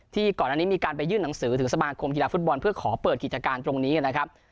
ก่อนอันนี้มีการไปยื่นหนังสือถึงสมาคมกีฬาฟุตบอลเพื่อขอเปิดกิจการตรงนี้นะครับ